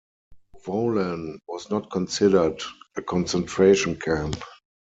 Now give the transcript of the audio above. Vollan was not considered a concentration camp.